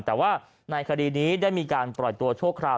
แต่ว่าในคดีนี้ได้มีการปล่อยตัวชั่วคราว